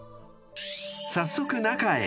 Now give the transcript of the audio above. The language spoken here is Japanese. ［早速中へ］